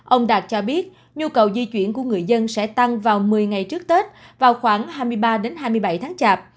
ông đạt cho biết nhu cầu di chuyển của người dân sẽ tăng vào một mươi ngày trước tết vào khoảng hai mươi ba hai mươi bảy tháng chạp